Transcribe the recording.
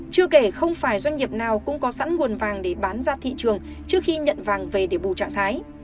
chưa kể không phải doanh nghiệp nào cũng có sẵn nguồn vàng để bán ra thị trường trước khi nhận vàng về để bù trạng thái